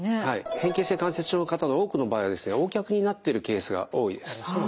変形性関節症の方の多くの場合はですねＯ脚になっているケースが多いです。